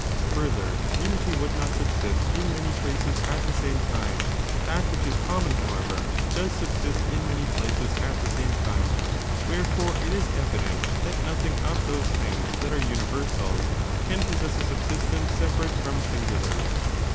Further, unity would not subsist in many places at the same time ; that which is common, however, does subsist in many places at the same time : wherefore, it is evident that nothing of those things that are universals can possess a subsistence separate from singulars.